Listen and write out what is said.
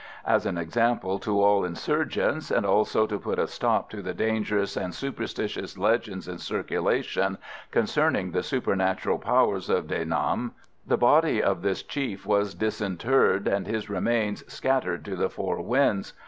As an example to all insurgents, and also to put a stop to the dangerous and superstitious legends in circulation concerning the supernatural powers of De Nam, the body of this chief was disinterred, and his remains scattered to the four winds.